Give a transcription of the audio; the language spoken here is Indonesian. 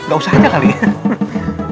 gak usah aja kali ya